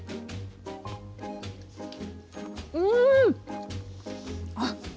うん！あっ。